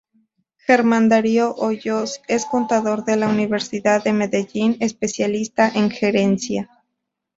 Germán Darío Hoyos es contador de la Universidad de Medellín, especialista en Gerencia.